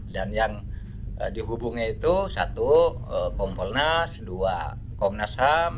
dan yang dihubungi itu satu kompolnas dua kompolnas ham